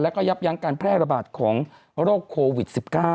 แล้วก็ยับยั้งการแพร่ระบาดของโรคโควิด๑๙